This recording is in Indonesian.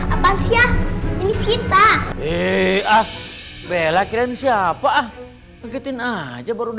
apasya ini kita eh ah bella keren siapa ah ngetin aja baru